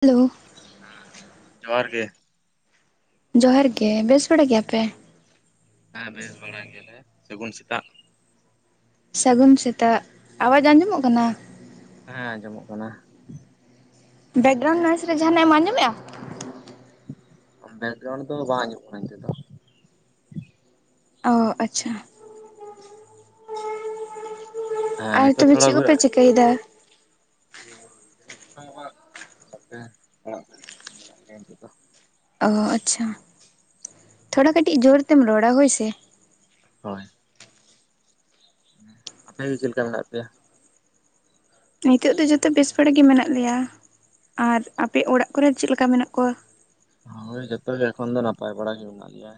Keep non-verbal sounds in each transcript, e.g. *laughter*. Hello. ᱡᱚᱦᱟᱨ ᱜᱮ᱾ ᱡᱚᱦᱟᱨ ᱜᱮ ᱵᱮᱥ ᱵᱟᱲᱟ ᱜᱮᱭᱟᱯᱮ? ᱦᱮᱸ ᱵᱮᱥ ᱵᱟᱲᱟ ᱜᱮᱭᱟ ᱞᱮ ᱥᱟᱹᱜᱩᱱ ᱥᱮᱛᱟᱜ᱾ ᱥᱟᱹᱜᱩᱱ ᱥᱮᱛᱟᱜ ᱟᱣᱟᱡ ᱟᱸᱡᱚᱢᱚᱜ ᱠᱟᱱᱟ᱾ ᱦᱮᱸ ᱟᱸᱡᱚᱢᱚᱜ ᱠᱟᱱᱟ᱾ ᱱᱤᱭᱟᱹ ᱵᱮᱠᱜᱨᱟᱣᱩᱱᱰ ᱱᱚᱭᱮᱥ ᱨᱮ ᱡᱟᱦᱟᱱᱟᱜ ᱮᱢ ᱟᱸᱡᱚᱢᱮᱜᱼᱟ᱾ ᱵᱮᱠᱜᱨᱟᱣᱩᱱᱰ ᱫᱚ ᱵᱟᱝ ᱟᱸᱡᱚᱢᱚᱜ ᱠᱟᱱᱟ ᱱᱤᱛᱳᱜ ᱫᱚ᱾ ᱚ ᱟᱪᱷᱟ᱾ ᱠᱟᱱᱟ ᱟᱨ ᱱᱤᱛᱚᱜ ᱛᱚᱵᱮ ᱫᱚ ᱦᱮᱸ ᱪᱮᱫ ᱱᱤᱛᱚᱜ ᱛᱷᱚᱲᱟ ᱠᱚᱯᱮ ᱪᱤᱠᱟᱹᱭ ᱮᱫᱟ? ᱪᱮᱫ ᱠᱚ ᱵᱟ ᱱᱚᱛᱮ ᱚᱲᱟᱜ *inaudible* ᱱᱤᱛᱚᱜ ᱫᱚ᱾ ᱚ ᱟᱪᱷᱟ ᱛᱷᱚᱲᱟ ᱠᱟᱹᱴᱤᱡ ᱡᱳᱨ ᱛᱮᱢ ᱨᱚᱲᱟ ᱦᱳᱭ ᱥᱮ᱾ ᱦᱳᱭ᱾ ᱟᱯᱮ ᱜᱮ ᱪᱮᱫ ᱞᱮᱠᱟ ᱢᱮᱱᱟᱜ ᱯᱮᱭᱟ? ᱱᱤᱛᱚᱜ ᱫᱚ ᱡᱚᱛᱚ ᱵᱮᱥ ᱵᱟᱲᱟ ᱜᱮ ᱢᱮᱱᱟᱜ ᱞᱮᱭᱟ ᱟᱨ ᱟᱯᱮ ᱚᱲᱟᱜ ᱠᱚᱨᱮ ᱪᱮᱫ ᱞᱮᱠᱟ ᱢᱮᱱᱟᱜ ᱠᱚᱣᱟ᱾ ᱦᱳᱭ ᱡᱚᱛᱚ ᱜᱮ ᱮᱠᱷᱚᱱ ᱫᱚ ᱱᱟᱯᱟᱭ ᱵᱟᱲᱟ ᱜᱮ ᱢᱮᱱᱟᱜ ᱞᱮᱭᱟ᱾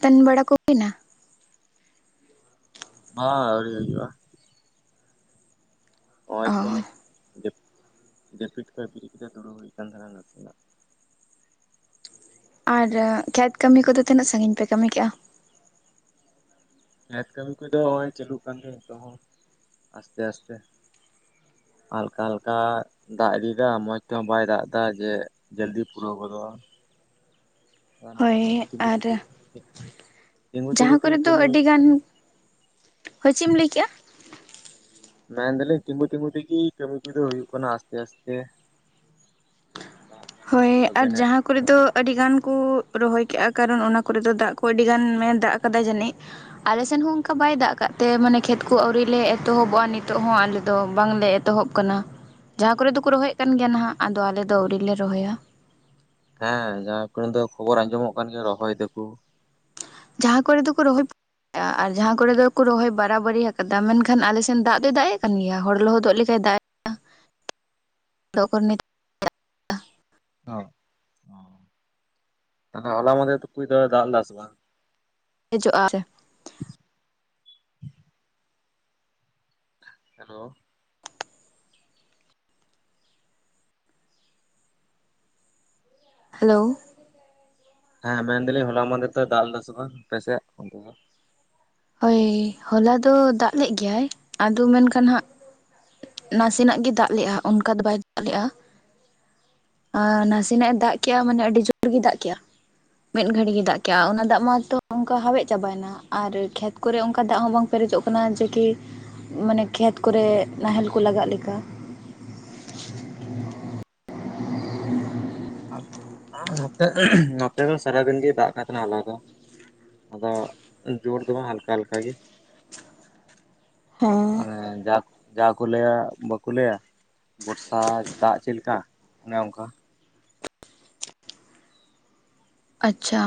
ᱛᱟᱱ ᱵᱟᱲᱟ ᱠᱚ ᱦᱩᱭᱱᱟ? ᱦᱚ ᱟᱹᱣᱨᱤ ᱦᱩᱭᱩᱜᱼᱟ᱾ ᱚ ᱟᱪᱷᱟ ᱡᱟᱯᱤᱫ ᱠᱷᱚᱡ ᱵᱮᱨᱮᱫ ᱠᱟᱛᱮ ᱫᱩᱲᱩᱵ ᱦᱩᱭ ᱠᱟᱱᱟ ᱛᱟᱦᱮᱱᱟ ᱱᱟᱥᱮᱱᱟᱜ᱾ ᱟᱨ ᱠᱷᱮᱛ ᱠᱟᱹᱢᱤ ᱠᱚᱫᱚ ᱛᱤᱱᱟᱹᱜ ᱥᱟᱺᱜᱤᱧ ᱯᱮ ᱠᱟᱹᱢᱤ ᱠᱮᱜᱼᱟ? ᱱᱮᱛ ᱠᱟᱹᱢᱤ ᱠᱚᱫᱚ ᱱᱚᱜᱚᱭ ᱪᱟᱹᱞᱩᱜ ᱠᱟᱱ ᱜᱮᱭᱟ ᱱᱤᱛᱚᱜ ᱦᱚᱸ ᱟᱥᱛᱮ ᱟᱥᱛᱮ᱾ ᱦᱟᱞᱠᱟ ᱦᱟᱞᱠᱟ ᱫᱟᱜ ᱤᱫᱤᱭᱮᱫᱟ ᱢᱚᱸᱡ ᱛᱮᱦᱚᱸ ᱵᱟᱭ ᱫᱟᱜ ᱮᱫᱟ ᱡᱮ᱾ ᱡᱚᱞᱫᱤ ᱯᱩᱨᱟᱹᱣ ᱜᱚᱫᱚᱜᱼᱟ᱾ ᱠᱟ ᱱᱚᱠᱟ ᱦᱳᱭ ᱛᱤᱝᱜᱩ ᱛᱤᱝᱜᱩ ᱟᱨ ᱛᱮ ᱜᱮ ᱛᱤᱝᱜᱩ ᱛᱤᱝᱜᱩ ᱡᱟᱦᱟᱸ ᱛᱮ ᱠᱚᱨᱮ ᱫᱚ ᱠᱟᱢᱤ ᱟᱹᱰᱤ ᱦᱩᱭᱩᱜ ᱜᱟᱱ ᱠᱟᱱᱟ᱾ ᱦᱳᱭ ᱪᱮᱫ ᱮᱢ ᱞᱟᱹᱭ ᱠᱮᱜᱼᱟ? ᱢᱮᱱ ᱫᱟᱞᱤᱧ ᱛᱤᱸᱜᱩ ᱛᱤᱸᱜᱩ ᱛᱮᱜᱮ ᱠᱟᱹᱢᱤ ᱠᱚ ᱫᱚ ᱦᱩᱭᱩᱜ ᱠᱟᱱᱟ ᱟᱥᱛᱮ ᱟᱥᱛᱮ᱾ ᱫᱟᱜ ᱡᱟᱹᱲᱤ ᱦᱳᱭ ᱫᱟᱭ ᱟᱨ ᱛᱚᱵᱮᱱᱟᱜ ᱡᱟᱦᱟᱸ ᱠᱚᱨᱮ ᱫᱚ᱾ ᱨᱚᱦᱚᱭ ᱦᱩᱭᱩᱜᱼᱟ᱾ ᱟᱹᱰᱤ ᱜᱟᱱ ᱠᱚ ᱨᱚᱦᱚᱭ ᱠᱮᱜᱼᱟ ᱠᱟᱨᱚᱱ ᱚᱱᱟ ᱠᱚᱨᱮ ᱫᱚ ᱫᱟᱜ ᱠᱚ ᱟᱹᱰᱤ ᱜᱟᱱᱮ ᱫᱟᱜ ᱟᱠᱟᱫᱟ ᱡᱟᱹᱱᱤᱡ ᱟᱞᱮ ᱥᱮᱱ ᱦᱚᱸ ᱚᱱᱠᱟ ᱵᱟᱭ ᱫᱟᱜ ᱟᱠᱟᱫ ᱛᱮ ᱢᱟᱱᱮ ᱠᱷᱮᱛ ᱠᱚ ᱟᱹᱣᱨᱤ ᱞᱮ ᱮᱛᱚᱦᱚᱵᱚᱜᱼᱟ ᱱᱤᱛ᱾ ᱱᱤᱛᱚᱜ ᱦᱚᱸ ᱟᱞᱮ ᱫᱚ ᱵᱟᱝᱞᱮ ᱮᱛᱚᱦᱚᱵ ᱟᱠᱟᱱᱟ ᱡᱟᱦᱟᱸ ᱠᱚᱨᱮ ᱫᱚᱠᱚ ᱨᱚᱦᱚᱭᱮᱫ ᱠᱟᱱ ᱜᱮᱭᱟ ᱱᱟᱦᱟᱜ ᱟᱫᱚ ᱟᱞᱮ ᱫᱚ ᱟᱹᱣᱨᱤ ᱞᱮ᱾ ᱨᱚᱦᱚᱭᱟ᱾ ᱦᱮᱸ ᱡᱟᱦᱟᱸ ᱠᱚᱨᱮ ᱫᱚ ᱠᱷᱚᱵᱚᱨ ᱟᱸᱡᱚᱢᱚᱜ ᱠᱟᱱ ᱜᱮᱭᱟ ᱨᱚᱦᱚᱭ ᱫᱟᱠᱚ᱾ ᱡᱟᱦᱟᱸ ᱠᱚᱨᱮ ᱫᱚᱠᱚ ᱨᱚᱦᱚᱭ᱾ ᱟᱨ ᱡᱟᱦᱟᱸ ᱠᱚᱨᱮ ᱫᱚ ᱠᱚ ᱨᱚᱦᱚᱭ ᱵᱟᱨᱟᱵᱟᱨᱤ ᱟᱠᱟᱫᱟ ᱢᱮᱱᱠᱷᱟᱱ ᱟᱞᱮ ᱥᱮᱱ ᱫᱟᱜ ᱫᱚᱭ ᱫᱟᱜ ᱮ ᱠᱟᱱ ᱜᱮᱭᱟ ᱦᱚᱲ ᱞᱚᱦᱚᱫᱚᱜ ᱞᱮᱠᱟᱭ ᱫᱟᱜ᱾ *unintelligible* ᱛᱟᱦᱞᱮ ᱦᱚᱞᱟ ᱢᱟᱦᱫᱮᱨ *inaudible* ᱫᱟᱜ ᱞᱮᱫᱟᱭ ᱥᱮ ᱵᱟᱝ᱾ ᱦᱤᱡᱩᱜᱼᱟ᱾ *unintelligible* ᱦᱮᱞᱳ᱾ ᱦᱮᱞᱳ᱾ ᱦᱮᱸ ᱢᱮᱱ ᱫᱟᱞᱤᱧ ᱦᱚᱞᱟ ᱢᱟᱫᱮᱨ ᱫᱚᱭ ᱫᱟᱞ ᱞᱮᱫᱟ ᱥᱮ ᱵᱟᱝ ᱟᱯᱮ ᱥᱮᱫ ᱚᱱᱛᱮ ᱫᱚ᱾ ᱦᱳᱭ ᱦᱚᱞᱟ ᱫᱚ ᱫᱟᱜ ᱞᱮᱫ ᱜᱮᱭᱟᱭ ᱟᱫᱚ ᱢᱮᱱᱠᱷᱟᱱ ᱦᱟᱸᱜ ᱱᱟᱥᱮᱱᱟᱜ ᱜᱮ ᱫᱟᱜ ᱞᱮᱜᱼᱟ ᱚᱱᱠᱟ ᱫᱚ ᱵᱟᱭ ᱫᱟᱜ ᱞᱮᱫᱼᱟ᱾ ᱟᱨ ᱱᱟᱥᱮᱱᱟᱜ-ᱮ ᱫᱟᱜ ᱠᱮᱜᱼᱟ ᱢᱟᱱᱮ ᱟᱹᱰᱤ ᱡᱳᱨ ᱜᱮ ᱫᱟᱜ ᱠᱮᱜᱼᱟ᱾ ᱢᱤᱫ ᱜᱷᱟᱹᱲᱤᱡ ᱜᱮ ᱫᱟᱜ ᱠᱮᱫᱼᱟ ᱚᱱᱟ ᱫᱟᱜ ᱢᱟᱛᱚ ᱚᱱᱠᱟ ᱦᱟᱣᱮᱫ ᱪᱟᱵᱟᱭᱮᱱᱟ ᱟᱨ ᱠᱷᱮᱛ ᱠᱚᱨᱮ ᱚᱱᱠᱟ ᱫᱟᱜ ᱦᱚᱸ ᱵᱟᱝ ᱯᱮᱨᱮᱡᱚᱜ ᱠᱟᱱᱟ ᱡᱮ ᱠᱤ ᱢᱟᱱᱮ ᱠᱷᱮᱛ ᱠᱚᱨᱮᱜ ᱱᱟᱦᱮᱞ ᱠᱚ ᱞᱟᱜᱟᱜ ᱞᱮᱠᱟ᱾ ᱟ ᱟ ᱱᱚᱛᱮ ᱱᱚᱛᱮ ᱫᱚ ᱥᱟᱨᱟᱫᱤᱱ ᱜᱮᱭ ᱫᱟᱜ ᱠᱟᱜ ᱛᱟᱦᱮᱱᱟ ᱦᱚᱞᱟ ᱫᱚ᱾ ᱟᱫᱚ ᱡᱳᱨ ᱫᱚ ᱵᱟᱝ ᱦᱟᱞᱠᱟ ᱦᱟᱞᱠᱟ ᱜᱮ᱾ ᱦᱮᱸ ᱡᱟᱠ ᱡᱟ ᱠᱚ ᱞᱟᱹᱭᱟ ᱵᱟᱠᱚ ᱞᱟᱹᱭᱟ, ᱵᱚᱨᱥᱟ ᱫᱟᱜ ᱪᱮᱫ ᱞᱮᱠᱟ ᱚᱱᱮ ᱚᱱᱠᱟ᱾ ᱟᱪᱪᱷᱟ᱾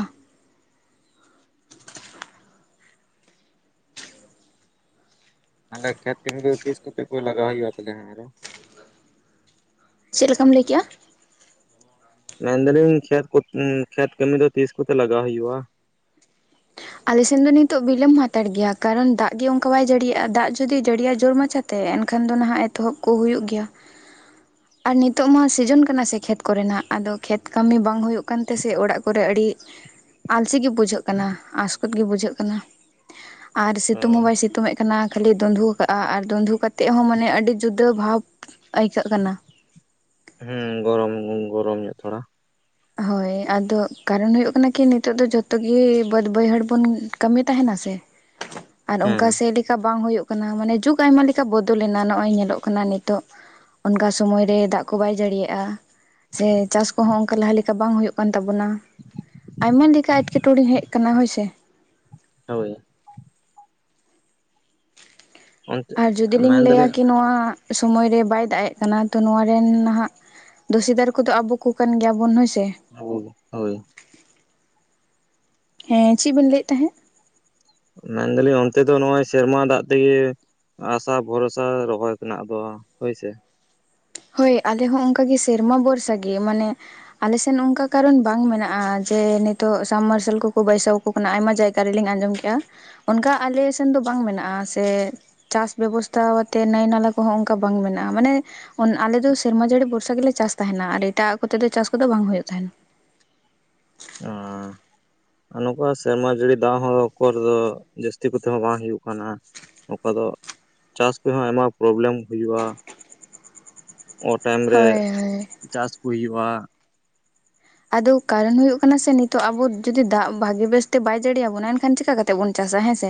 ᱟᱞᱮ ᱠᱷᱮᱛ ᱠᱟᱹᱢᱤ ᱠᱚᱫᱚ ᱛᱤᱥ ᱠᱚᱛᱮ ᱯᱮ ᱞᱟᱜᱟᱣ ᱦᱩᱭᱩᱜ-ᱟ ᱛᱟᱞᱦᱮ ᱦᱟᱸᱜ ᱟᱨᱦᱚᱸ? ᱪᱮᱫ ᱞᱮᱠᱟᱢ ᱞᱟᱹᱭ ᱠᱮᱜᱼᱟ? ᱢᱮᱱ ᱫᱟᱞᱤᱧ ᱠᱷᱮᱛ ᱠᱚ ᱩᱸ ᱠᱷᱮᱛ ᱠᱟᱹᱢᱤ ᱫᱚ ᱛᱤᱥ ᱠᱚᱛᱮ ᱞᱟᱜᱟᱣ ᱦᱩᱭᱩᱜᱼᱟ? ᱟᱞᱮ ᱥᱮᱱ ᱫᱚ ᱱᱤᱛᱚᱜ ᱵᱤᱞᱚᱢ ᱦᱟᱛᱟᱲ ᱜᱮᱭᱟ ᱠᱟᱨᱚᱱ ᱫᱟᱜ ᱜᱮ ᱚᱱᱠᱟ ᱵᱟᱭ ᱡᱟᱹᱲᱤᱭᱮᱜᱼᱟ, ᱫᱟᱜ ᱡᱩᱫᱤ ᱡᱟᱹᱲᱤᱭᱟᱭ ᱡᱳᱨ ᱢᱟᱪᱷᱟ ᱛᱮ ᱮᱱᱠᱷᱟᱱ ᱫᱚ ᱱᱟᱦᱟᱜ ᱮᱛᱚᱦᱚᱵ ᱠᱚ ᱦᱩᱭᱩᱜ ᱜᱮᱭᱟ᱾ ᱟᱨ ᱱᱤᱛᱚᱜ ᱢᱟ ᱥᱤᱡᱚᱱ ᱠᱟᱱᱟ ᱥᱮ ᱠᱷᱮᱛ ᱠᱚᱨᱮᱱᱟᱜ, ᱟᱫᱚ ᱠᱷᱮᱛ ᱠᱟᱹᱢᱤ ᱵᱟᱝ ᱦᱩᱭᱩᱜ ᱠᱟᱱ ᱛᱮᱥᱮ ᱚᱲᱟᱜ ᱠᱚᱨᱮ ᱟᱹᱰᱤ ᱟᱞᱥᱤ ᱜᱮ ᱵᱩᱡᱷᱟᱹᱜ ᱠᱟᱱᱟ, ᱟᱥᱠᱚᱛ ᱜᱮ ᱵᱩᱡᱷᱟᱹᱜ ᱠᱟᱱᱟ ᱟᱨ ᱥᱤᱛᱩᱝ ᱦᱳᱭ ᱦᱚᱸ ᱵᱟᱭ ᱥᱤᱛᱩᱝ ᱮᱫ ᱠᱟᱱᱟ ᱠᱷᱟᱹᱞᱤ ᱫᱩᱸᱫᱷᱩ ᱠᱟᱜᱼᱟ ᱟᱨ ᱫᱩᱸᱫᱷᱩ ᱠᱟᱛᱮᱜ ᱦᱚᱸ ᱢᱟᱱᱮ ᱟᱹᱰᱤ ᱡᱩᱫᱟᱹ ᱵᱷᱟᱵᱽ ᱟᱹᱭᱠᱟᱹᱜ ᱠᱟᱱᱟ᱾ ᱦᱩᱸ ᱜᱚᱨᱚᱢ ᱜᱚᱨᱚᱢ ᱧᱚᱜ ᱛᱷᱚᱲᱟ᱾ ᱦᱳᱭ ᱟᱫᱚ ᱠᱟᱨᱚᱱ ᱦᱩᱭᱩᱜ ᱠᱟᱱᱟ ᱠᱤ ᱱᱤᱛᱚᱜ ᱫᱚ ᱡᱷᱚᱛᱚ ᱜᱮ ᱵᱟᱹᱫ ᱵᱟᱹᱭᱦᱟᱹᱲ ᱵᱚᱱ ᱠᱟᱹᱢᱤ ᱛᱟᱦᱮᱱᱟ ᱥᱮ᱾ ᱟᱨ ᱦᱮᱸ ᱚᱝᱠᱟ *unintelligible* ᱠᱟ ᱵᱟᱝ ᱦᱳᱭᱳᱜ ᱠᱟᱱᱟ, ᱢᱟᱱᱮ ᱡᱩᱜᱽ ᱟᱭᱢᱟ ᱞᱮᱠᱟ ᱵᱚᱫᱚᱞᱮᱱᱟ ᱱᱚᱜᱼᱚᱭ ᱧᱮᱞᱚᱜ ᱠᱟᱱᱟ ᱱᱤᱛᱚᱜ᱾ ᱚᱱᱠᱟ ᱥᱚᱢᱚᱭ ᱨᱮ ᱫᱟᱜ ᱠᱚ ᱵᱟᱭ ᱡᱟᱹᱲᱤᱭᱟᱜᱼᱟ, ᱥᱮ ᱪᱟᱥ ᱠᱚᱦᱚᱸ ᱚᱱᱠᱟ ᱞᱟᱦᱟ ᱞᱮᱠ ᱠᱟ ᱵᱟᱝ ᱦᱳᱭᱳᱜ ᱠᱟᱱ ᱛᱟᱵᱚᱱᱟ, ᱟᱭᱢᱟ ᱞᱮᱠᱟ ᱮᱴᱠᱮᱴᱚᱬᱮ ᱦᱮᱡ ᱠᱟᱱᱟ ᱦᱳᱭᱥᱮ᱾ ᱦᱳᱭ᱾ ᱚᱱᱛᱮ ᱟᱨ ᱡᱩᱫᱤ ᱞᱤᱧ ᱞᱟᱹᱭᱟ ᱢᱮᱱᱫᱟᱞᱤᱧ ᱠᱤ ᱱᱚᱣᱟ ᱥᱚᱢᱚᱭ ᱨᱮ ᱵᱟᱭ ᱫᱟᱜ ᱮᱜ ᱠᱟᱱᱟ ᱛᱚ ᱱᱚᱣᱟ ᱨᱮᱱ ᱱᱟᱦᱟᱜ ᱫᱳᱥᱤᱫᱟᱨ ᱠᱚᱫᱚ ᱟᱵᱚ ᱠᱚ ᱠᱟᱱ ᱜᱮᱭᱟᱵᱚᱱ ᱦᱳᱭ ᱥᱮ᱾ ᱟᱵᱚᱜᱮ ᱦᱳᱭ᱾ ᱦᱮᱸ ᱪᱮᱫ ᱵᱤᱱ ᱞᱟᱹᱭᱮᱫ ᱛᱟᱦᱮᱸᱫ? ᱢᱮᱱᱫᱟᱞᱤᱧ ᱚᱱᱛᱮ ᱫᱚ ᱱᱚᱜᱼᱚᱭ ᱥᱮᱨᱢᱟ ᱫᱟᱜ ᱛᱮᱜᱮ ᱟᱥᱟ ᱵᱷᱚᱨᱥᱟ ᱨᱚᱦᱚᱭ ᱛᱮᱱᱟᱜ ᱫᱚ ᱦᱳᱭ ᱥᱮ᱾ ᱦᱳᱭ ᱟᱞᱮ ᱦᱚᱸ ᱚᱱᱠᱟ ᱜᱮ ᱥᱮᱨᱢᱟ ᱵᱷᱚᱨᱥᱟ ᱜᱮ ᱢᱟᱱᱮ ᱟᱞᱮ ᱥᱮᱱ ᱚᱱᱠᱟ ᱠᱟᱨᱚᱱ ᱵᱟᱝ ᱢᱮᱱᱟᱜᱼᱟ ᱡᱮ ᱱᱤᱛᱚᱜ ᱥᱟᱢᱢᱟᱨᱥᱟᱞ ᱠᱚᱠᱚ ᱵᱟᱹᱭᱥᱟᱣ ᱟᱠᱚ ᱠᱟᱱᱟ ᱟᱭᱢᱟ ᱡᱟᱭᱜᱟ ᱨᱮᱞᱤᱧ ᱟᱸᱡᱚᱢ ᱠᱮᱫ-ᱟ, ᱚᱱᱠᱟ ᱟᱞᱮ ᱥᱮᱱ ᱫᱚ ᱵᱟᱝ ᱢᱮᱱᱟᱜᱼᱟ ᱥᱮ ᱪᱟᱥ ᱵᱮᱵᱚᱥᱛᱷᱟ ᱟᱛᱮ ᱱᱟᱹᱭ ᱱᱟᱞᱟ ᱠᱚᱦᱚᱸ ᱚᱱᱠᱟ ᱵᱟᱝ ᱢᱮᱱᱟᱜᱼᱟ ᱢᱟᱱᱮ ᱚᱱ ᱟᱞᱮ ᱫᱚ ᱥᱮᱨᱢᱟ ᱡᱟᱹᱲᱤ ᱵᱷᱚᱨᱥᱟ ᱜᱮᱞᱮ ᱪᱟᱥ ᱛᱟᱦᱮᱱᱟ ᱟᱨ ᱮᱴᱟᱜ-ᱟᱜ ᱠᱚᱛᱮ ᱫᱚ ᱪᱟᱥ ᱠᱚᱫᱚ ᱵᱟᱝ ᱦᱩᱭᱩᱜ ᱛᱟᱦᱮᱱᱟ᱾ *inaudible* ᱟᱨ ᱱᱚᱝᱠᱟ ᱥᱮᱨᱢᱟ ᱡᱟᱹᱲᱤ ᱫᱟᱜ ᱦᱚᱸ ᱩᱠᱩᱨ ᱫᱚ ᱡᱟᱹᱥᱛᱤ ᱠᱚᱛᱮ ᱦᱚᱸ ᱵᱟᱝ ᱦᱩᱭᱩᱜ ᱠᱟᱱᱟ᱾ ᱚᱠᱟ ᱫᱚ ᱪᱟᱥ ᱛᱮᱦᱚᱸ ᱟᱭᱢᱟ ᱯᱨᱳᱵᱞᱮᱢ ᱦᱩᱭᱩᱜᱼᱟ᱾ *inaudible* ᱚ ᱴᱟᱭᱤᱢ ᱨᱮ ᱦᱳᱭ ᱦᱳᱭ ᱪᱟᱥ ᱠᱚ ᱦᱩᱭᱩᱜᱼᱟ᱾ ᱟᱫᱚ ᱠᱟᱨᱚᱱ ᱦᱩᱭᱩᱜ ᱠᱟᱱᱟ ᱥᱮ ᱱᱤᱛᱚᱜ ᱟᱵᱚ ᱡᱩᱫᱤ ᱫᱟᱜ ᱵᱷᱟᱜᱮ ᱵᱮᱥᱛᱮ ᱵᱟᱭ ᱡᱟᱹᱲ ᱟᱵᱚᱱᱟ ᱮᱱᱠᱷᱟᱱ ᱪᱤᱠᱟ ᱠᱟᱛᱮᱜ ᱵᱚᱱ ᱪᱟᱥᱟ, ᱦᱮᱸᱥᱮ᱾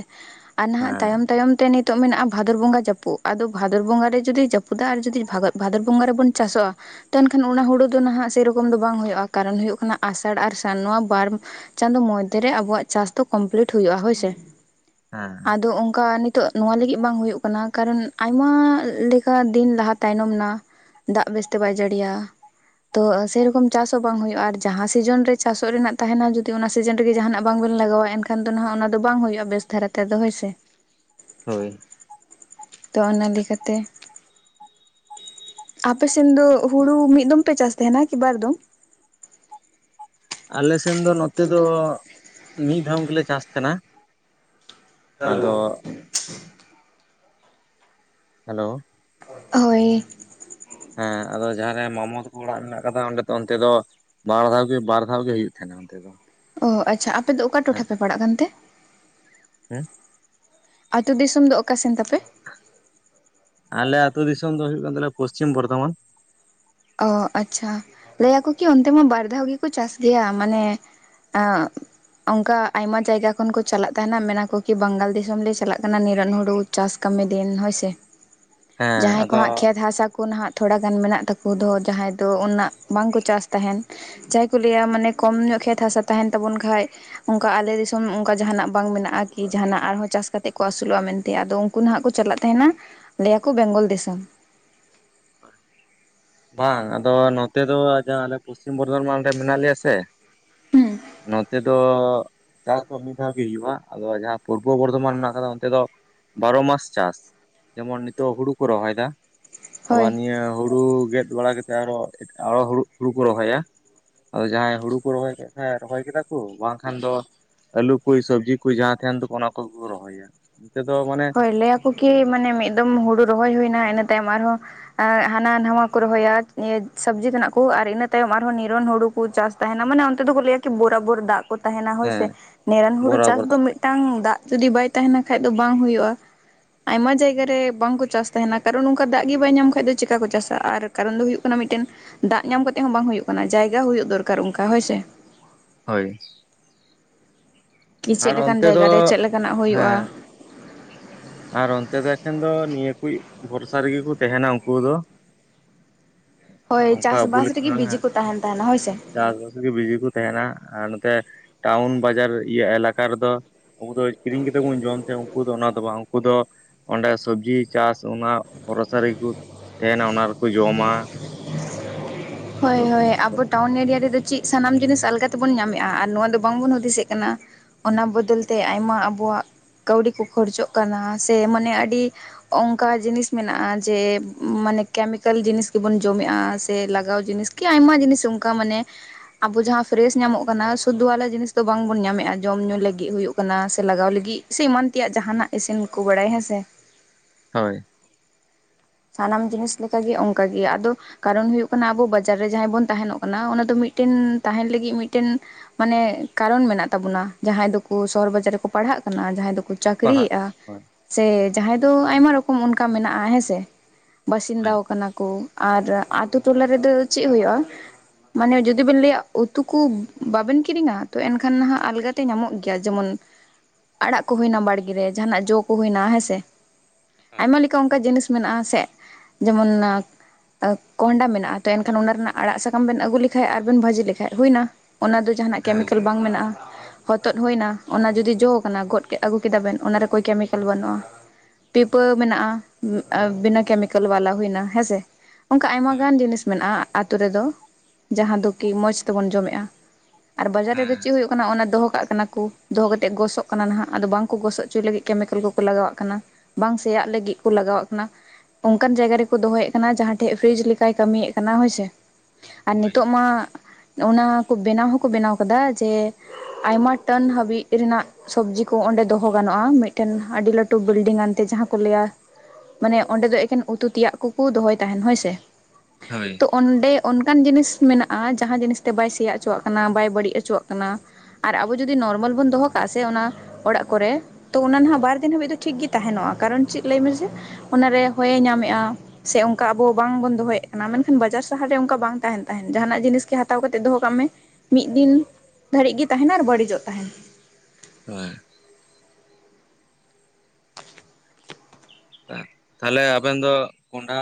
ᱟᱨ ᱱᱟᱦᱟᱜ ᱦᱮᱸ ᱛᱟᱭᱚᱢ ᱛᱟᱭᱚᱢ ᱛᱮ ᱱᱤᱛ ᱱᱤᱛᱚᱜ ᱢᱮᱱᱟᱜ-ᱟ ᱵᱷᱟᱫᱚᱨ ᱵᱚᱸᱜᱟ ᱡᱟᱹᱯᱩᱫ, ᱟᱫᱚ ᱵᱷᱟᱫᱚᱨ ᱵᱚᱸᱜᱟ ᱨᱮ ᱡᱩᱫᱤ ᱡᱟᱹᱯᱩᱫᱟ ᱟᱨ ᱡᱩᱫᱤ ᱵᱷᱟ ᱵᱷᱟᱫᱚᱨ ᱵᱚᱸᱜᱟ ᱨᱮᱵᱚᱱ ᱪᱟᱥᱚᱜ-ᱟ ᱛᱚ ᱮᱱᱠᱷᱟᱱ ᱚᱱᱟ ᱦᱩᱲᱩ ᱫᱚ ᱱᱟᱦᱟᱜ ᱥᱮᱭᱨᱚᱠᱚᱢ ᱫᱚ ᱵᱟᱝ ᱦᱩᱭᱩᱜ-ᱟ ᱠᱟᱨᱚᱱ ᱦᱩᱭᱩᱜ ᱠᱟᱱᱟ ᱟᱥᱟᱲ ᱟᱨ ᱥᱟᱱ ᱱᱚᱣᱟ ᱵᱟᱨ ᱪᱟᱸᱫᱚ ᱢᱚᱫᱽᱫᱷᱮᱨᱮ ᱟᱵᱚᱣᱟᱜ ᱪᱟᱥ ᱫᱚ ᱠᱚᱢᱯᱞᱤᱴ ᱦᱩᱭᱩᱜ-ᱟ ᱦᱳᱭᱥᱮ᱾ ᱦᱩᱸ᱾ ᱟᱫᱚ ᱚᱝᱠᱟ ᱱᱤᱛᱳᱜ ᱱᱚᱣᱟ ᱞᱟᱹᱜᱤᱫ ᱵᱟᱝ ᱦᱩᱭᱩᱜ ᱠᱟᱱᱟ ᱠᱟᱨᱚᱱ ᱟᱭᱢᱟ ᱞᱮᱠᱟ ᱫᱤᱱ ᱞᱟᱦᱟ ᱛᱟᱭᱱᱚᱢ ᱱᱟ᱾ ᱫᱟᱜ ᱵᱮᱥᱛᱮ ᱵᱟᱭ ᱡᱟᱲᱤᱭᱟ, ᱛᱚ ᱥᱮᱨᱚᱠᱚᱢ ᱪᱟᱥ ᱵᱟᱝ ᱦᱩᱭᱩᱜ-ᱟ ᱟᱨ ᱡᱟᱦᱟᱸ ᱥᱤᱡᱚᱱ ᱨᱮ ᱪᱟᱥᱚᱜ ᱨᱮᱱᱟᱜ ᱛᱟᱦᱮᱱᱟ ᱡᱩᱫᱤ ᱚᱱᱟ ᱥᱤᱡᱤᱱ ᱨᱮᱜᱮ ᱡᱟᱸᱦᱟᱱᱟᱜ ᱵᱟᱝᱵᱮᱱ ᱞᱟᱜᱟᱣᱟ ᱮᱱᱠᱷᱟᱱ ᱠᱷᱟᱱ ᱫᱚ ᱱᱟᱜ ᱚᱱᱟ ᱫᱚ ᱵᱟᱝ ᱦᱩᱭᱩᱜ-ᱟ ᱵᱮᱥ ᱫᱷᱟᱨᱟ ᱛᱮᱫᱚ ᱦᱳᱭ ᱥᱮ᱾ ᱦᱳᱭ᱾ ᱛᱚ ᱚᱱᱟ ᱞᱮᱠᱟᱛᱮ ᱟᱯᱮ ᱥᱮᱱ ᱫᱚ ᱦᱩᱲᱩ ᱢᱤᱫ ᱫᱚᱢ ᱯᱮ ᱪᱟᱥ ᱛᱟᱸᱦᱮᱱᱟ ᱠᱤ ᱵᱟᱨ ᱫᱚᱢ? ᱟᱞᱮᱥᱮᱱ ᱫᱚ ᱱᱚᱛᱮ ᱫᱚ ᱢᱤᱫ ᱫᱷᱚᱢ ᱜᱮᱞᱮ ᱪᱟᱥ ᱛᱟᱸᱦᱮᱱᱟ᱾ ᱦᱮᱞᱳ ᱟᱫᱚ ᱦᱮᱞᱳ᱾ ᱦᱳᱭ᱾ ᱦᱮᱸ ᱟᱫᱚ ᱡᱟᱦᱟᱸ ᱨᱮ ᱢᱟᱢᱚ ᱛᱟᱠᱚ ᱚᱲᱟᱜ ᱢᱮᱱᱟᱜ ᱠᱟᱫᱟ ᱚᱸᱰᱮ, ᱚᱱᱛᱮ ᱫᱚ ᱵᱟᱨ ᱫᱷᱟᱣ ᱜᱮ, ᱵᱟᱨ ᱫᱷᱟᱣ ᱜᱮ ᱦᱩᱭᱩᱜ ᱛᱟᱸᱦᱮᱱᱟ ᱚᱱᱛᱮ ᱫᱚ᱾ ᱚ, ᱟᱪᱪᱷᱟ ᱟᱯᱮ ᱫᱚ ᱚᱠᱟ ᱴᱚᱴᱷᱟ ᱦᱮᱸ ᱯᱮ ᱯᱟᱲᱟᱜ ᱠᱟᱱ ᱛᱮ? ᱦᱮᱸ? ᱟᱹᱛᱩ ᱫᱤᱥᱚᱢ ᱫᱚ ᱚᱠᱟ ᱥᱮᱱ ᱛᱟᱯᱮ? ᱟᱞᱮ ᱟᱹᱛᱩ ᱫᱤᱥᱚᱢ ᱫᱚ ᱦᱩᱭᱩᱜ ᱠᱟᱱ ᱛᱟᱞᱮᱭᱟ ᱯᱚᱥᱪᱤᱢ ᱵᱚᱨᱫᱷᱚᱢᱟᱱ᱾ ᱚ ᱟᱪᱪᱷᱟ, ᱞᱟᱹᱭᱟᱠᱚ ᱠᱤ ᱚᱱᱛᱮ ᱢᱟ ᱵᱟᱨ ᱫᱷᱟᱣ ᱜᱮᱠᱚ ᱪᱟᱥ ᱜᱮᱭᱟ ᱢᱟᱱᱮ ᱮᱸᱜ ᱚᱝᱠᱟ ᱟᱭᱢᱟ ᱡᱟᱭᱜᱟ ᱠᱷᱚᱱ ᱠᱚ ᱪᱟᱞᱟᱜ ᱛᱟᱦᱮᱱᱟ ᱢᱮᱱᱟᱠᱚ ᱠᱤ ᱵᱟᱝᱜᱟᱞ ᱫᱤᱥᱚᱢ ᱞᱮ ᱪᱟᱞᱟᱜ ᱠᱟᱱᱟ ᱱᱤᱨᱚᱱ ᱦᱩᱲᱩ ᱪᱟᱥ ᱠᱟᱹᱢᱤ ᱫᱤᱱ ᱦᱳᱭᱥᱮ᱾ ᱦᱮᱸ ᱡᱟᱦᱟᱸᱭ ᱠᱚ ᱟᱫᱚ ᱦᱟᱸᱜ ᱠᱷᱮᱛ ᱦᱟᱥᱟ ᱠᱚ ᱱᱟᱜ ᱛᱷᱚᱲᱟ ᱜᱟᱱ ᱢᱮᱱᱟᱜ ᱛᱟᱠᱚ ᱩᱱᱠᱩ ᱫᱚ ᱡᱟᱦᱟᱸᱭ ᱫᱚ ᱩᱱᱟᱹᱜ ᱵᱟᱝᱠᱚ ᱪᱟᱥ ᱛᱟᱸᱦᱮᱱ᱾ ᱡᱟᱦᱟᱸᱭ ᱠᱚ ᱞᱟᱹᱭᱟ ᱢᱟᱱᱮ ᱠᱚᱢ ᱧᱚᱜ ᱠᱷᱮᱛ ᱦᱟᱥᱟ ᱛᱟᱸᱦᱮᱱ ᱛᱟᱵᱚᱱ ᱠᱷᱟᱡ᱾ ᱚᱝᱠᱟ ᱟᱞᱮ ᱫᱤᱥᱚᱢ ᱚᱝᱠᱟ ᱡᱟᱦᱟᱱᱟᱜ ᱵᱟᱝ ᱢᱮᱱᱟᱜᱼᱟ ᱠᱤ ᱡᱟᱦᱟᱱᱟᱜ ᱟᱨᱦᱚᱸ ᱪᱟᱥ ᱠᱟᱛᱮᱜ ᱠᱚ ᱟᱹᱥᱩᱞᱚᱜ-ᱟ ᱢᱮᱱᱛᱮ᱾ ᱟᱫᱚ ᱩᱱᱠᱩ ᱱᱟᱜ ᱠᱚ ᱪᱟᱞᱟᱜ ᱛᱟᱸᱦᱮᱱᱟ, ᱞᱟᱹᱭᱟᱠᱚ ᱵᱮᱝᱜᱚᱞ ᱫᱤᱥᱚᱢ᱾ ᱦᱳᱭ᱾ ᱵᱟᱝ ᱟᱫᱚ ᱱᱚᱛᱮ ᱫᱚ ᱡᱟᱦᱟᱸ ᱟᱞᱮ ᱯᱚᱥᱪᱤᱢ ᱵᱚᱨᱫᱷᱚᱢᱟᱱ ᱨᱮ ᱢᱮᱱᱟᱜ ᱞᱮᱭᱟ ᱥᱮ ᱱᱚᱛᱮ ᱫᱚ ᱪᱟᱥ ᱫᱚ ᱢᱤᱫ ᱫᱷᱟᱣ ᱜᱮ ᱦᱩᱭᱩᱜᱭ-ᱟ ᱟᱫᱚ ᱡᱟᱦᱟᱸ ᱯᱩᱨᱵᱚ ᱵᱚᱨᱫᱷᱚᱢᱟᱱ ᱢᱮᱱᱟᱜ ᱠᱟᱫᱟ ᱚᱱᱛᱮ ᱫᱚ ᱵᱟᱨᱚ ᱢᱟᱥ ᱪᱟᱥ, ᱡᱮᱢᱚᱱ ᱱᱤᱛᱳᱜ ᱦᱩᱲᱩ ᱠᱚ ᱨᱚᱦᱚᱭᱫᱟ ᱟᱵᱟᱨ ᱦᱳᱭ ᱱᱤᱭᱟᱹ ᱦᱩᱲᱩ ᱜᱮᱫ ᱵᱟᱲᱟ ᱠᱟᱛᱮᱫ ᱟᱨᱦᱚᱸ ᱮᱢᱟᱜ ᱟᱨᱚ ᱦᱩᱲᱩ, ᱦᱩᱲᱩ ᱠᱚ ᱨᱚᱦᱚᱭᱟ᱾ ᱟᱫᱚ ᱡᱟᱦᱟᱸᱭ ᱦᱩᱲᱩ ᱠᱚ ᱨᱚᱦᱚᱭ ᱠᱮᱜ ᱠᱷᱟᱡ ᱨᱚᱦᱚᱭ ᱠᱮᱫᱟ ᱠᱚ ᱵᱟᱝᱠᱷᱟᱱ ᱫᱚ ᱟᱹᱞᱩ ᱠᱚ ᱥᱚᱵᱽᱡᱤ ᱠᱚ, ᱡᱟᱦᱟᱸ ᱛᱟᱸᱦᱮᱱ ᱛᱟᱠᱚᱣᱟ ᱚᱱᱟ ᱠᱚᱜᱮ ᱠᱚ ᱨᱚᱦᱚᱭᱟ᱾ ᱱᱤᱛᱳᱜ ᱫᱚ ᱢᱟᱱᱮ ᱦᱳᱭ ᱞᱟᱹᱭᱟᱠᱚ ᱠᱤ ᱢᱟᱱᱮ ᱢᱤᱫ ᱫᱚᱢ ᱦᱩᱲᱩ ᱨᱚᱦᱚᱭ ᱦᱩᱭᱱᱟ ᱤᱱᱟᱹ ᱛᱟᱭᱚᱢ ᱟᱨᱦᱚᱸ ᱦᱟᱱᱟ ᱱᱟᱣᱟ ᱠᱚ ᱨᱚᱦᱚᱭᱟ, ᱤᱭᱟᱹ ᱥᱚᱵᱽᱡᱤ ᱛᱮᱱᱟᱜ ᱠᱚ ᱟᱨ ᱤᱱᱟᱹ ᱛᱟᱭᱚᱢ ᱟᱨᱦᱚᱸ ᱱᱤᱨᱚᱱ ᱦᱩᱲᱩ ᱠᱚ ᱪᱟᱥ ᱛᱟᱸᱦᱮᱱᱟ ᱢᱟᱱᱮ ᱚᱱᱛᱮ ᱫᱚ ᱠᱚ ᱞᱟᱹᱭᱟ ᱠᱤ ᱵᱳᱨᱟ ᱵᱳᱨ ᱫᱟᱜ ᱠᱚ ᱛᱟᱸᱦᱮᱱᱟ ᱦᱮᱸ ᱦᱳᱭᱥᱮ᱾ ᱱᱤᱨᱚᱱ ᱦᱩᱲᱩ ᱪᱟᱥ ᱵᱚᱨᱟᱵᱚᱨ ᱫᱚ ᱢᱤᱫᱴᱟᱝ ᱫᱟᱜ ᱡᱩᱫᱤ ᱵᱟᱭ ᱛᱟᱸᱦᱮᱱᱟ ᱠᱷᱟᱡ ᱫᱚ ᱵᱟᱝ ᱦᱩᱭᱩᱜ ᱠᱚᱜ-ᱟ᱾ ᱟᱭᱢᱟ ᱡᱟᱭᱜᱟ ᱨᱮ ᱵᱟᱝᱠᱚ ᱪᱟᱥ ᱛᱟᱸᱦᱮᱱᱟ, ᱠᱟᱨᱚᱱ ᱚᱱᱠᱟ ᱫᱟᱜ ᱜᱮ ᱵᱟᱭ ᱧᱟᱢ ᱠᱷᱟᱡ ᱫᱚ ᱪᱤᱠᱟ ᱠᱚ ᱪᱟᱥᱟ, ᱟᱨ ᱠᱟᱨᱚᱱ ᱫᱚ ᱦᱩᱭᱩᱜ ᱠᱟᱱᱟ ᱢᱤᱫᱴᱮᱱ ᱫᱟᱜ ᱧᱟᱢ ᱠᱟᱛᱮᱜ ᱦᱚᱸ ᱵᱟᱝ ᱦᱩᱭᱩᱜ ᱠᱟᱱᱟ, ᱡᱟᱭᱜᱟ ᱦᱩᱭᱩᱜ ᱫᱚᱨᱠᱟᱨ ᱚᱝᱠᱟ ᱦᱳᱭ ᱥᱮ᱾ ᱦᱳᱭ᱾ *unintelligible* ᱪᱮᱫ ᱟᱨ ᱞᱮᱠᱟᱱ ᱚᱱᱛᱮ ᱡᱟᱭᱜᱟ ᱫᱚ ᱨᱮ ᱪᱮᱫ ᱞᱮᱠᱟᱱᱟᱜ ᱦᱳᱭᱳᱜ-ᱟ᱾ ᱦᱮᱸ ᱟᱨ ᱚᱱᱛᱮ ᱫᱚ ᱮᱠᱷᱮᱱ ᱫᱚ ᱱᱤᱭᱟᱹ ᱠᱩᱡ ᱵᱷᱚᱨᱥᱟ ᱨᱮ ᱜᱮ ᱠᱚ ᱛᱟᱦᱮᱱᱟ ᱩᱱᱠᱩ ᱫᱚ᱾ ᱦᱳᱭ ᱚᱱᱠᱟ ᱪᱟᱥ ᱟᱵᱚ ᱵᱟᱥ ᱨᱮ ᱜᱮ ᱞᱮᱠᱟ ᱵᱤᱡᱤ ᱠᱚ ᱛᱟᱦᱮᱱ ᱛᱟᱦᱮᱱᱟ ᱦᱳᱭ ᱥᱮ᱾ ᱪᱟᱥᱵᱟᱥ ᱜᱮ ᱵᱤᱡᱤ ᱠᱚ ᱛᱟᱦᱮᱱᱟ ᱟᱨ ᱱᱚ ᱛᱮ ᱴᱟᱣᱩᱱ ᱵᱟᱡᱟᱨ ᱤᱭᱟᱹ ᱮᱞᱟᱠᱟ ᱨᱮ ᱫᱚ ᱟᱵᱚ ᱫᱚ ᱠᱤᱨᱤᱧ ᱠᱟᱛᱮᱜ ᱵᱚᱱ ᱡᱚᱢ ᱛᱟᱦᱮᱸᱫ ᱩᱱᱠᱩ ᱫᱚ ᱚᱱᱟ ᱫᱚ ᱵᱟᱝ ᱩᱱᱠᱩ ᱫᱚ ᱚᱸᱰᱮ ᱥᱚᱵᱡᱤ ᱪᱟᱥ ᱚᱱᱟ ᱵᱷᱚᱨᱥᱟ ᱨᱮ ᱜᱮ ᱠᱚ ᱛᱟᱦᱮᱱᱟ ᱚᱱᱟ ᱨᱮ ᱠᱚ ᱡᱚᱢᱟ᱾ ᱦᱳᱭ ᱥᱚᱵ ᱦᱳᱭ ᱩᱱᱠᱩ ᱫᱚ᱾ ᱟᱵᱚ ᱴᱟᱣᱩᱱ ᱮᱨᱤᱭᱟ ᱨᱮ ᱫᱚ ᱪᱮᱫ ᱥᱟᱱᱟᱢ ᱡᱤᱱᱤᱥ ᱟᱞᱜᱟ ᱛᱮᱵᱚᱱ ᱧᱟᱢᱮᱫ-ᱟ᱾ ᱟᱨ ᱱᱚᱣᱟ ᱫᱚ ᱵᱟᱝ ᱵᱚᱱ ᱦᱩᱫᱤᱥ ᱮᱜ ᱠᱟᱱᱟ᱾ ᱚᱱᱟ ᱵᱚᱫᱚᱞ ᱛᱮ ᱟᱭᱢᱟ ᱟᱵᱚᱣᱟᱜ ᱠᱟᱹᱣᱰᱤ ᱠᱚ ᱠᱷᱚᱨᱪᱚᱜ ᱠᱟᱱᱟ ᱥᱮ ᱢᱟᱱᱮ ᱟᱹᱰᱤ ᱚᱝᱠᱟ ᱡᱤᱱᱤᱥ ᱢᱮᱱᱟᱜ-ᱟ᱾ ᱡᱮ ᱢᱟᱱᱮ ᱠᱮᱢᱤᱠᱮᱞ ᱡᱤᱱᱤᱥ ᱜᱮ ᱵᱚᱱ ᱡᱚᱢᱮᱜ-ᱟ ᱥᱮ ᱞᱟᱜᱟᱣ ᱡᱤᱱᱤᱥ ᱠᱤ ᱟᱭᱢᱟ ᱡᱤᱱᱤᱥ ᱚᱝᱠᱟ ᱢᱟᱱᱮ ᱟᱵᱚ ᱡᱟᱦᱟᱸ ᱯᱷᱨᱮᱥ ᱧᱟᱢᱚᱜ ᱠᱟᱱᱟ᱾ ᱥᱩᱫᱩᱟᱣᱞᱟ ᱡᱤᱱᱤᱥ ᱫᱚ ᱵᱟᱝ ᱵᱚᱱ ᱧᱟᱢᱮᱜ-ᱟ᱾ ᱡᱚᱢ ᱧᱩ ᱞᱟᱹᱜᱤᱫ ᱦᱩᱭᱩᱜ ᱠᱟᱱᱟ ᱥᱮ ᱞᱟᱜᱟᱣ ᱞᱟᱹᱜᱤᱜ᱾ ᱥᱤ ᱮᱢᱟᱱ ᱛᱮᱭᱟᱜ ᱡᱟᱦᱟᱱᱟᱜ ᱤᱥᱤᱱ ᱠᱚ ᱵᱟᱲᱟᱭ ᱦᱮᱸ ᱥᱮ᱾ ᱦᱳᱭ᱾ ᱥᱟᱱᱟᱢ ᱡᱤᱱᱤᱥ ᱞᱮᱠᱟᱜᱮ ᱚᱱᱠᱟᱜᱮ ᱟᱫᱚ ᱠᱟᱨᱚᱱ ᱦᱩᱭᱩᱜ ᱠᱟᱱᱟ ᱟᱵᱚ ᱵᱟᱡᱟᱨ ᱨᱮ ᱡᱟᱦᱟᱸᱭ ᱵᱚᱱ ᱛᱟᱦᱮᱱ ᱚᱜ ᱠᱟᱱᱟ᱾ ᱚᱱᱟ ᱫᱚ ᱢᱤᱫᱴᱮᱱ ᱛᱟᱦᱮᱱ ᱞᱟᱹᱜᱤᱫ ᱢᱤᱫᱴᱮᱱ ᱢᱟᱱᱮ ᱠᱟᱨᱚᱱ ᱢᱮᱱᱟᱜ ᱛᱟᱵᱚᱱᱟ ᱡᱟᱦᱟᱸᱭ ᱫᱚ ᱠᱚ ᱥᱚᱦᱚᱨ ᱵᱟᱡᱟᱨ ᱨᱮ ᱠᱚ ᱯᱟᱲᱦᱟᱜ ᱠᱟᱱᱟ ᱡᱟᱦᱟᱸᱭ ᱫᱚ ᱠᱚ ᱯᱟᱲᱦᱟᱜ ᱪᱟᱹᱠᱷᱨᱤᱭᱮᱜ-ᱟ᱾ ᱦᱳᱭ ᱥᱮ ᱦᱩᱸ ᱡᱟᱦᱟᱸᱭ ᱫᱚ ᱟᱭᱢᱟ ᱨᱚᱠᱚᱢ ᱚᱱᱠᱟ ᱢᱮᱱᱟᱜ-ᱟ᱾ ᱦᱮᱸ ᱥᱮ ᱵᱟᱥᱤᱱ ᱦᱳᱭ ᱫᱟᱣ ᱠᱟᱱᱟ ᱠᱚ ᱟᱨ ᱟᱛᱳ ᱴᱚᱞᱟ ᱨᱮᱫᱚ ᱪᱮᱫ ᱦᱳᱭᱳᱜ-ᱟ᱾ ᱢᱟᱱᱮ ᱡᱩᱫᱤ ᱵᱮᱱ ᱞᱟᱹᱭᱟ ᱩᱛᱩ ᱠᱩ ᱵᱟᱵᱮᱱ ᱠᱤᱨᱤᱧᱟ ᱛᱚ ᱮᱱ ᱠᱷᱟᱱ ᱱᱟᱦᱟᱜ ᱟᱞᱜᱟ ᱛᱮ ᱧᱟᱢᱚᱜ ᱜᱮᱭᱟ᱾ ᱡᱮᱢᱚᱱ ᱟᱲᱟᱜ ᱠᱚ ᱦᱩᱭᱱᱟ ᱵᱟᱲᱜᱮ ᱨᱮ ᱡᱟᱸᱦᱟ ᱱᱟᱜ ᱡᱚ ᱠᱚ ᱦᱩᱭᱱᱟ ᱦᱮᱸᱥᱮ᱾ ᱦᱳᱭ ᱟᱭᱢᱟ ᱞᱮᱠᱟ ᱚᱱᱠᱟ ᱡᱤᱱᱤᱥ ᱢᱮᱱᱟᱜ-ᱟ᱾ ᱥᱮ ᱡᱮᱢᱚᱱ ᱠᱚᱸᱦᱚᱰᱟ ᱢᱮᱱᱟᱜ-ᱟ᱾ ᱛᱚ ᱮᱱᱠᱷᱟᱱ ᱚᱱᱟ ᱨᱮᱱᱟᱜ ᱟᱲᱟᱜ ᱥᱟᱠᱟᱢ ᱵᱮᱱ ᱟᱹᱜᱩ ᱞᱮᱠᱷᱟᱡ ᱟᱨ ᱵᱮᱱ ᱵᱷᱟᱹᱡᱤ ᱞᱮᱠᱷᱟᱡ ᱦᱩᱭᱱᱟ᱾ ᱚᱱᱟ ᱫᱚ ᱡᱟᱦᱟᱱᱟᱜ ᱦᱮᱸ ᱠᱮᱢᱤᱠᱮᱞ ᱵᱟᱝ ᱵᱮᱱᱟᱜ-ᱟ᱾ ᱦᱚᱛᱚᱫ ᱦᱳᱭ ᱱᱟ ᱚᱱᱟ ᱡᱩᱫᱤ ᱡᱚ ᱠᱟᱱᱟ ᱜᱚᱫ ᱠᱮᱫ ᱟᱹᱜᱩ ᱠᱮᱫᱟ ᱵᱮᱱ ᱚᱱᱟ ᱨᱮ ᱠᱳᱭ ᱠᱮᱢᱤᱠᱮᱞ ᱵᱟᱹᱱᱩᱜ-ᱟ᱾ ᱯᱤᱯᱟᱹ ᱢᱮᱱᱟᱜ-ᱟ᱾ ᱵᱤᱱᱟᱹ ᱠᱮᱢᱤᱠᱮᱞ ᱵᱟᱞᱟ ᱦᱩᱭᱱᱟ ᱦᱮᱸᱥᱮ ᱚᱱᱠᱟ ᱟᱭᱢᱟ ᱦᱳᱭ ᱜᱟᱱ ᱡᱤᱱᱤᱥ ᱢᱮᱱᱟᱜ-ᱟ᱾ ᱟᱛᱳ ᱨᱮᱫᱚ ᱡᱟᱦᱟᱸ ᱫᱚ ᱠᱤ ᱢᱚᱸᱡᱽ ᱛᱮᱵᱚᱱ ᱡᱚᱢᱮᱜ-ᱟ᱾ ᱟᱨ ᱵᱟᱡᱟᱨ ᱨᱮᱫᱚ ᱦᱮᱸ ᱪᱮᱫ ᱦᱳᱭ ᱠᱟᱱᱟ ᱚᱱᱟ ᱫᱚᱦᱚ ᱠᱟᱜ ᱠᱟᱱᱟ ᱠᱚ ᱫᱚᱦᱚ ᱠᱟᱛᱮ ᱜᱚᱥᱚᱜ ᱠᱟᱱᱟ ᱱᱟᱦᱟᱜ ᱟᱫᱚ ᱵᱟᱝ ᱠᱚ ᱜᱚᱥᱚᱜ ᱦᱚᱪᱚᱭ ᱞᱟᱹᱜᱤᱫ ᱠᱮᱢᱤᱠᱮᱞ ᱠᱚᱠᱚ ᱞᱟᱜᱟᱣᱟᱜ ᱠᱟᱱᱟ᱾ ᱵᱟᱝ ᱥᱮᱭᱟᱜ ᱞᱟᱹᱜᱤᱫ ᱠᱚ ᱞᱟᱜᱟᱣᱟᱜ ᱠᱟᱱᱟ᱾ ᱚᱱᱠᱟᱱ ᱡᱟᱭᱜᱟ ᱨᱮᱠᱚ ᱫᱚᱦᱚᱭᱮᱫ ᱠᱟᱱᱟ ᱡᱟᱦᱟᱸ ᱴᱷᱮᱡ ᱯᱷᱨᱤᱡᱽ ᱞᱮᱠᱟᱭ ᱠᱟᱹᱢᱤᱭᱮᱫ ᱠᱟᱱᱟ ᱦᱳᱭ ᱥᱮᱸ᱾ ᱟᱨ ᱱᱤᱛᱳᱜ ᱢᱟ ᱚᱱᱟ ᱠᱚ ᱵᱮᱱᱟᱣ ᱦᱚᱸᱠᱚ ᱵᱮᱱᱟᱣ ᱠᱟᱫᱟ ᱡᱮ ᱟᱭᱢᱟ ᱴᱟᱹᱱ ᱦᱟᱹᱵᱤᱜ ᱨᱮᱱᱟᱜ᱾ ᱥᱚᱵᱽᱡᱤ ᱠᱚ ᱚᱸᱰᱮ ᱫᱚᱦᱚ ᱜᱟᱱᱚᱜᱼᱟ ᱢᱤᱫᱴᱮᱱ ᱟᱹᱰᱤ ᱞᱟᱹᱴᱩ ᱵᱤᱞᱰᱤᱝ ᱟᱱᱛᱮ ᱡᱟᱦᱟᱸ ᱠᱚ ᱞᱟᱹᱭ-ᱟ ᱢᱟᱱᱮ ᱚᱸᱰᱮ ᱫᱚ ᱮᱠᱮᱱ ᱩᱛᱩ ᱛᱮᱭᱟᱜ ᱠᱚᱠᱚ ᱫᱚᱦᱚᱭ ᱛᱟᱦᱮᱱ ᱦᱳᱭ ᱥᱮ᱾ ᱦᱳᱭ᱾ ᱛᱚ ᱚᱸᱰᱮ ᱚᱱᱠᱟᱱ ᱡᱤᱱᱤᱥ ᱢᱮᱱᱟᱜ-ᱟ᱾ᱡᱟᱦᱟ ᱡᱤᱱᱤᱥᱛᱮ ᱵᱟᱭ ᱥᱮᱭᱟ ᱦᱚᱪᱚᱣᱟᱜ ᱠᱟᱱᱟ ᱵᱟᱭ ᱵᱟᱹᱲᱤᱡ ᱦᱚᱪᱚᱣᱟᱜ ᱠᱟᱱᱟ᱾ ᱟᱨ ᱟᱵᱚ ᱡᱩᱫᱤ ᱱᱚᱨᱢᱟᱞ ᱵᱚᱱ ᱫᱚᱦᱚ ᱠᱟᱜᱼᱟ ᱥᱮ ᱚᱱᱟ ᱚᱲᱟᱜ ᱠᱚᱨᱮ ᱛᱚ ᱚᱱᱟ ᱱᱟᱦᱟᱜ ᱵᱟᱨᱫᱤᱱ ᱦᱟᱹᱵᱤᱡ ᱫᱚ ᱴᱷᱤᱠᱜᱮ ᱛᱟᱦᱮᱱᱚᱜᱼᱟ ᱠᱟᱨᱚᱱ ᱪᱮᱫ ᱞᱟᱹᱭ ᱢᱮ ᱥᱮ ᱚᱱᱟᱨᱮ ᱦᱚᱭᱮ ᱧᱟᱢᱮᱜᱼᱟ᱾ ᱥᱮᱸ ᱚᱝᱠᱟ ᱟᱵᱚ ᱵᱟᱝ ᱵᱚᱱ ᱫᱚᱦᱚᱭᱮᱫ ᱠᱟᱱᱟ ᱢᱮᱱᱠᱷᱟᱱ ᱵᱟᱡᱟᱨ ᱥᱟᱦᱟᱨ ᱨᱮ ᱚᱱᱠᱟ ᱵᱟᱝ ᱛᱟᱦᱮᱱ ᱛᱟᱦᱮᱡ ᱡᱟᱦᱟᱱᱟᱜ ᱡᱤᱱᱤᱥ ᱜᱤ ᱦᱟᱛᱟᱣ ᱠᱟᱛᱮᱫ ᱫᱚᱦᱚ ᱠᱟᱜ ᱢᱮ᱾ ᱢᱤᱫ ᱫᱤᱱ ᱫᱷᱟᱹᱨᱤᱡ ᱜᱮ ᱛᱟᱦᱮᱱᱟ ᱟᱨ ᱵᱟᱹᱲᱤᱡᱚᱜ ᱛᱟᱦᱮᱱ᱾ ᱦᱳᱭ᱾ ᱛᱟᱞᱦᱮ ᱟᱵᱮᱱ ᱫᱚ ᱠᱚᱸᱰᱦᱟ